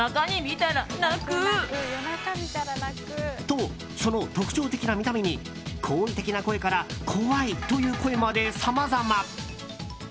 と、その特徴的な見た目に好意的な声から怖いという声まで、さまざま。